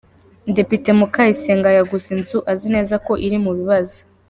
Depite Mukayisenga yaguze inzu azi neza ko iri mu bibazo.